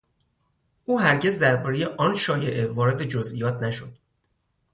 او هرگز دربارهی آن شایعه وارد جزئیات نشد.